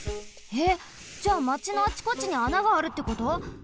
えっじゃあまちのあちこちにあながあるってこと！？